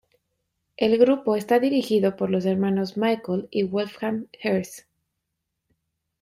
El grupo está dirigido por los hermanos Michael y Wolfgang Herz.